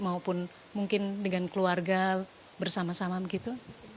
maupun mungkin dengan keluarga bersama sama begitu